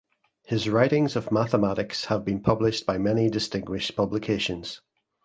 His writings of Mathematics have been published by many distinguished publications.